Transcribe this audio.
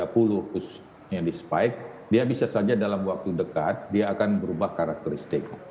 khususnya di spike dia bisa saja dalam waktu dekat dia akan berubah karakteristik